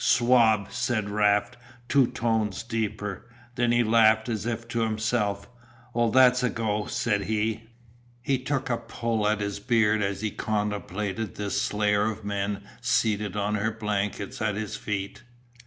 "Swab," said Raft, two tones deeper. Then he laughed as if to himself. "Well, that's a go," said he. He took a pull at his beard as he contemplated this slayer of men seated on her blankets at his feet.